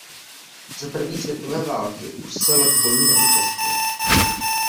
Za první světové války už se loď bojů neúčastnila.